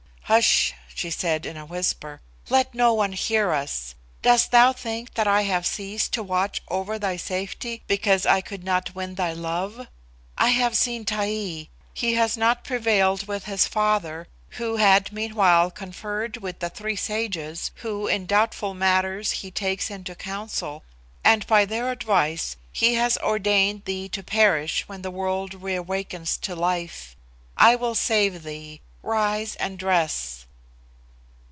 "Hush," she said in a whisper; "let no one hear us. Dost thou think that I have ceased to watch over thy safety because I could not win thy love? I have seen Taee. He has not prevailed with his father, who had meanwhile conferred with the three sages who, in doubtful matters, he takes into council, and by their advice he has ordained thee to perish when the world re awakens to life. I will save thee. Rise and dress."